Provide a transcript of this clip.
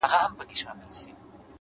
اخلاص د عمل رنګ ښکلی کوي’